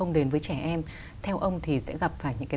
đến với trẻ em theo ông thì sẽ gặp phải những cái